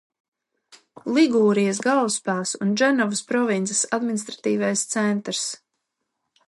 Ligūrijas galvaspilsēta un Dženovas provinces administratīvais centrs.